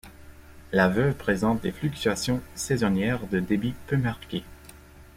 La Veuve présente des fluctuations saisonnières de débit peu marquées.